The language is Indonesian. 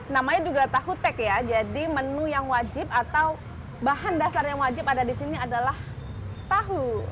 namanya juga tahu tek ya jadi menu yang wajib atau bahan dasar yang wajib ada di sini adalah tahu